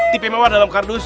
tipi mewah dalam kardus